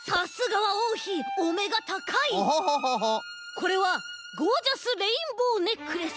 これはゴージャスレインボーネックレス。